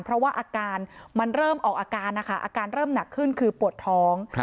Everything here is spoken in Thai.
เพราะว่าอาการมันเริ่มออกอาการนะคะอาการเริ่มหนักขึ้นคือปวดท้อง